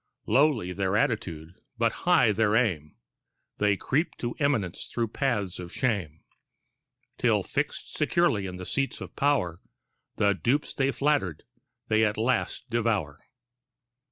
Lowly their attitude but high their aim, They creep to eminence through paths of shame, Till fixed securely in the seats of pow'r, The dupes they flattered they at last devour.